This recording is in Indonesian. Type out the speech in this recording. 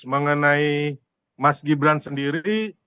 mengenai mas gibran sendiri